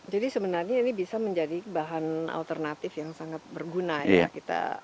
jadi sebenarnya ini bisa menjadi bahan alternatif yang sangat berguna ya kita